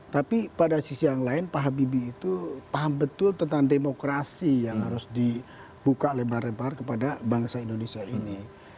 tapi pada sisi yang lain pak habibie itu paham betul tentang demokrasi yang harus dibuka lebar lebar kepada bangsa indonesia ini